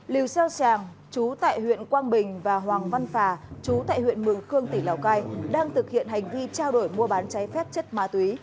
liều seo trang chú tại huyện quang bình và hoàng văn phà chú tại huyện mường khương tỉnh lào cai đang thực hiện hành vi trao đổi mua bán cháy phép chất ma túy